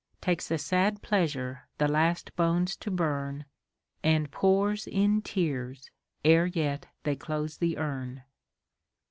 Takes a sad pleasure the last bones to burn, And pours in tears ere yet they close the urn.